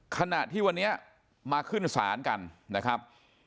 ขณะที่วันนี้มาขึ้นศาลกันนะครับ